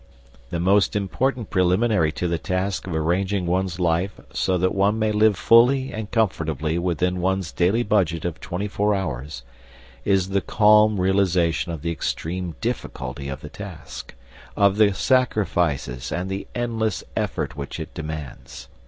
The most important preliminary to the task of arranging one's life so that one may live fully and comfortably within one's daily budget of twenty four hours is the calm realisation of the extreme difficulty of the task, of the sacrifices and the endless effort which it demands.